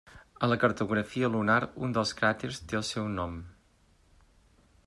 A la cartografia lunar un dels cràters té el seu nom.